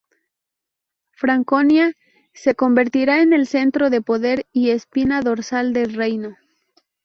Franconia se convertirá en el centro de poder y espina dorsal del reino.